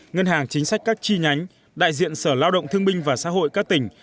ngân hàng chính sách các chi nhánh đại diện sở lao động thương binh và xã hội các tỉnh